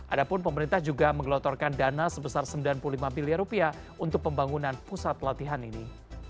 adapun pemerintah juga menggelotorkan dana sebesar sembilan puluh lima miliar rupiah untuk pembangunan pusat latihan ini